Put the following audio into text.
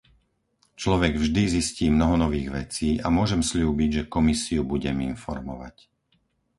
Človek vždy zistí mnoho nových vecí a môžem sľúbiť, že Komisiu budem informovať.